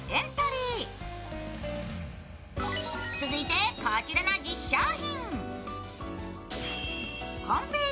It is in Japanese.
続いてこちらの１０商品。